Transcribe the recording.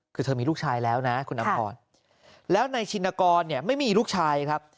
คือเธอมีลูกชายแล้วนะคุณอำพรแล้วนายชินกรเนี่ยไม่มีลูกชายครับ